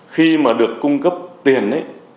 khi mà được cung cấp tiền ấy